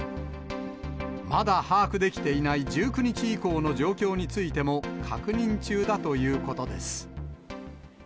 まだ把握できていない１９日以降の状況についても、確認中だということです。